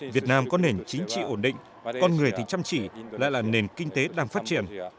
việt nam có nền chính trị ổn định con người thì chăm chỉ lại là nền kinh tế đang phát triển